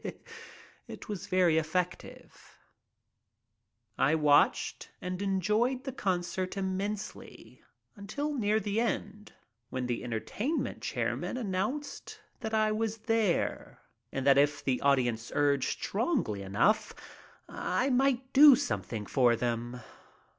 It was very effective. I watched and enjoyed the concert immensely until near 36 MY TRIP ABROAD the end, when the entertainment chairman announced that I was there and that if the audience urged strongly enough I might do something for them.